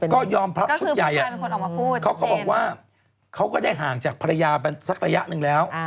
ก็ยอมรับชุดใหญ่เขาก็บอกว่าเขาก็ได้ห่างจากภรรยาไปสักระยะหนึ่งแล้ว